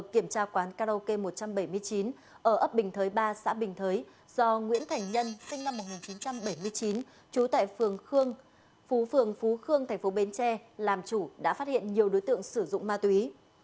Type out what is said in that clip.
kiểm tra quán karaoke một trăm bảy mươi chín ở ấp bình thới ba xã bình thới do nguyễn thành nhân sinh năm một nghìn chín trăm bảy mươi chín trú tại phường khương phú phường phú khương tp bến tre làm chủ đã phát hiện nhiều đối tượng sử dụng ma túy